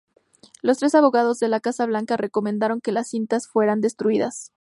Los tres abogados de la Casa Blanca recomendaron que las cintas fueran destruidas.